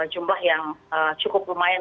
jumlah yang cukup lumayan